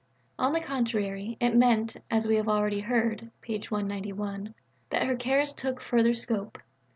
On the contrary, it meant, as we have already heard (p. 191), that her cares took further scope.